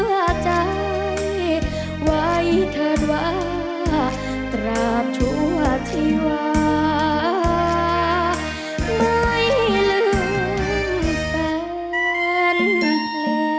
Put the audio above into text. ขอจงเจอใจไว้เถิดว่าตราบชั่วชีวาไม่ลืมเป็นเพลง